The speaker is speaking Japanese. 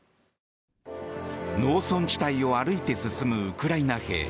農村地帯を歩いて進むウクライナ兵。